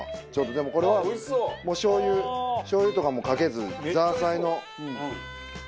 でもこれはしょう油しょう油とかもかけずザーサイの塩味で。